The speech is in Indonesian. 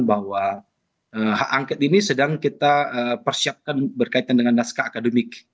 bahwa hak angket ini sedang kita persiapkan berkaitan dengan naskah akademik